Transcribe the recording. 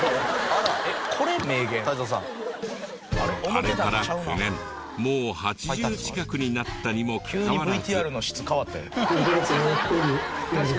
あれから９年もう８０近くになったにもかかわらず。